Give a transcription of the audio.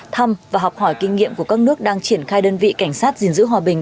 thăm và học hỏi kinh nghiệm của các nước đang triển khai đơn vị cảnh sát gìn giữ hòa bình